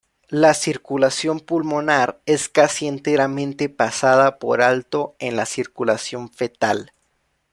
La circulación pulmonar es casi enteramente pasada por alto en la circulación fetal.